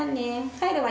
帰るわ。